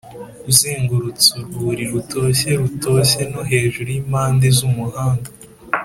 uzengurutse urwuri rutoshye rutoshye no hejuru yimpande zumuhanda.